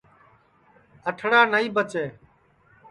اٹھڑا نائی بچے